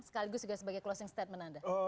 sekaligus juga sebagai closing statement anda